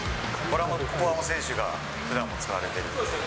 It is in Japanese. ここは選手がふだんも使われそうですね。